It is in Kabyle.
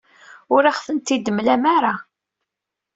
Ur aɣ-ten-id-temlam ara.